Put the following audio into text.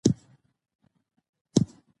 سیاسي ځواک مسؤلیت غواړي